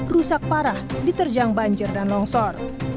rusak parah diterjang banjir dan longsor